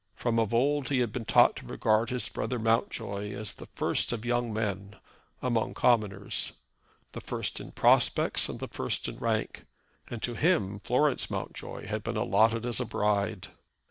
From of old he had been taught to regard his brother Mountjoy as the first of young men among commoners; the first in prospects and the first in rank; and to him Florence Mountjoy had been allotted as a bride.